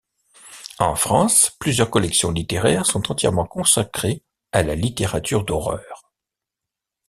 En France, plusieurs collections littéraires sont entièrement consacrées à la littérature d'horreur.